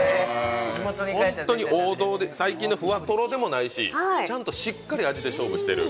本当に王道で、最近のフワトロでもないし、ちゃんとしっかり味で勝負してる。